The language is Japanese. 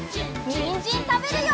にんじんたべるよ！